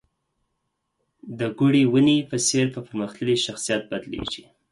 د ګورې ونې په څېر په پرمختللي شخصیت بدلېږي.